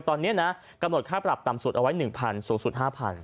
ตอนนี้นะกำหนดค่าปรับต่ำสุดเอาไว้๑๐๐๐สูงสุด๕๐๐